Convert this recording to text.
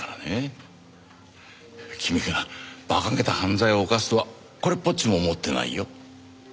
君が馬鹿げた犯罪を犯すとはこれっぽっちも思ってないよ。